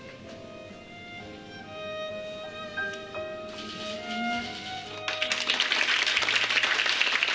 おめでとうございます。